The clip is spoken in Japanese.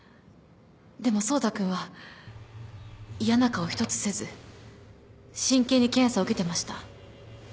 でも走太君は嫌な顔一つせず真剣に検査受けてました。